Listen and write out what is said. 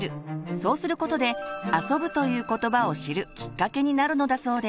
そうすることで「遊ぶ」ということばを知るきっかけになるのだそうです。